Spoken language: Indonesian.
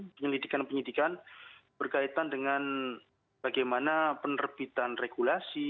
penyelidikan penyidikan berkaitan dengan bagaimana penerbitan regulasi